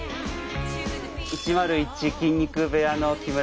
１０１筋肉部屋の木村敬一です。